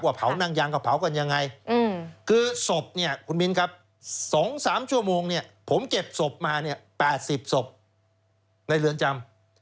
เผานั่งยางก็เผากันยังไงคือศพเนี่ยคุณมินครับ๒๓ชั่วโมงเนี่ยผมเก็บศพมาเนี่ย๘๐ศพในเรือนจำ